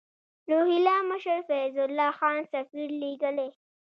روهیله مشر فیض الله خان سفیر لېږلی.